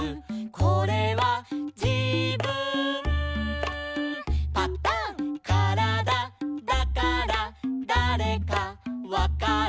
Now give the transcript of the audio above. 「これはじぶんパタン」「からだだからだれかわかる」